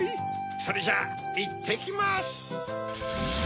それじゃいってきます！